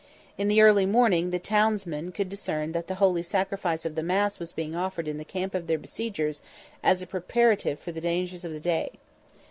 In the early morning the townsmen could discern that the Holy Sacrifice of the Mass was being offered in the camp of their besiegers as a preparative for the dangers of the day.